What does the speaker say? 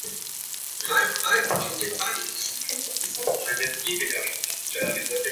非食用鱼。